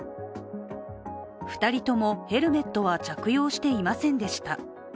２人ともヘルメットは着用していませんでした。